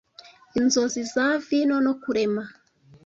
inzozi za vino no kurema